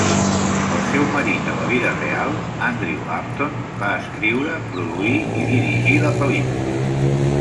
El seu marit a la vida real, Andrew Upton, va escriure, produir i dirigir la pel·lícula.